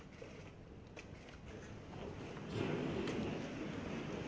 สุดท้ายจะทำให้ท่านให้มีการจัดการ